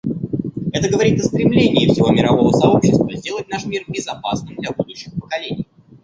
Это говорит о стремлении всего мирового сообщества сделать наш мир безопасным для будущих поколений.